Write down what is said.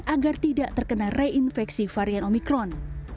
agar tidak terkena reinfeksi varian omikron